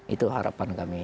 itu harapan kami